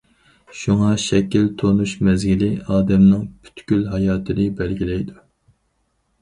شۇڭا، شەكىل تونۇش مەزگىلى ئادەمنىڭ پۈتكۈل ھاياتىنى بەلگىلەيدۇ.